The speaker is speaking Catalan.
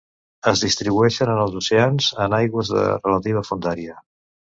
Es distribueixen en els oceans, en aigües de relativa fondària.